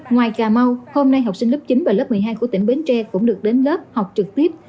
ngoài cà mau hôm nay học sinh lớp chín và lớp một mươi hai của tỉnh bến tre cũng được đến lớp học trực tiếp